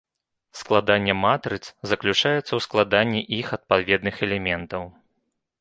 Складанне матрыц заключаецца ў складанні іх адпаведных элементаў.